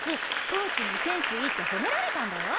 コーチにセンスいいって褒められたんだよ